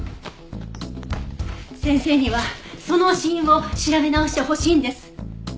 先生にはその死因を調べ直してほしいんです！